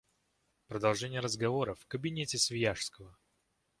Продолжение разговора в кабинете Свияжского.